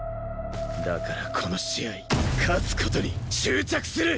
だからこの試合勝つ事に執着する！